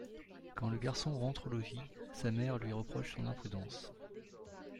Quand le garçon rentre au logis, sa mère lui reproche son imprudence.